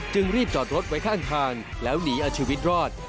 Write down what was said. รีบจอดรถไว้ข้างทางแล้วหนีเอาชีวิตรอด